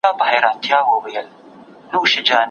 پلان جوړونکي خلک خپلي ټولي موخي په کتابچه کي یاداښت کوي.